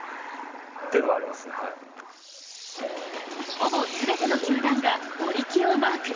ほぼ全ての球団が森木をマーク。